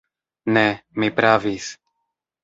Ne, mi pravis!